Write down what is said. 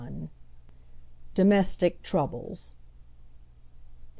DOMESTIC TROUBLES.